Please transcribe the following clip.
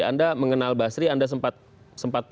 anda mengenal basri anda sempat